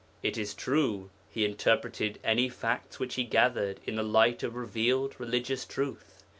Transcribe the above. It is true he interpreted any facts which he gathered in the light of revealed religious truth.